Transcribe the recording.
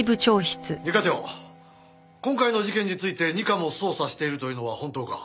二課長今回の事件について二課も捜査しているというのは本当か？